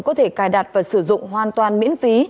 có thể cài đặt và sử dụng hoàn toàn miễn phí